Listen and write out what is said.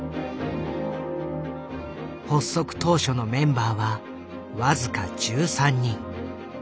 発足当初のメンバーは僅か１３人。